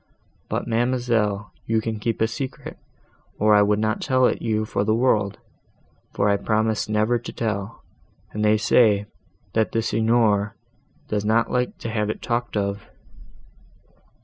But, ma'amselle, you can keep a secret, or I would not tell it you for the world; for I promised never to tell, and they say, that the Signor does not like to have it talked of."